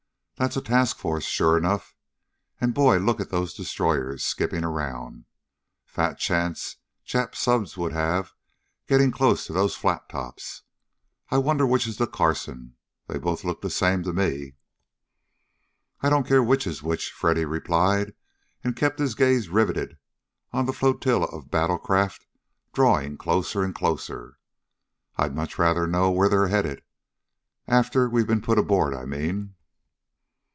That's a task force sure enough. And, boy, look at those destroyers skipping around! Fat chance Jap subs would have getting close to those flat tops. I wonder which is the Carson? They both look the same to me." "I don't care which is which," Freddy replied, and kept his gaze riveted on the flotilla of battle craft drawing closer and closer. "I'd much rather know where they are headed. After we've been put aboard, I mean."